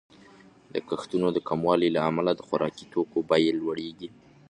د کښتونو د کموالي له امله د خوراکي توکو بیې لوړیږي.